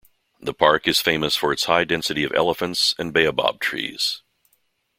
The park is famous for its high density of elephants and baobab trees.